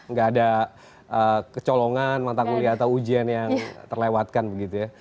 nggak ada kecolongan mata kuliah atau ujian yang terlewatkan begitu ya